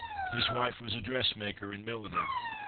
His wife was a dressmaker and milliner.